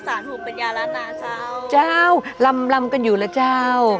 พรุ่งปัญญารัดนาทนาเจ้าเจ้าลำลำกันอยู่แล้วเจ้า